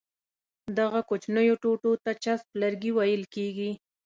دغو کوچنیو ټوټو ته چپس لرګي ویل کېږي.